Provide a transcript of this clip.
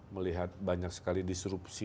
melihat banyak sekali disrupsi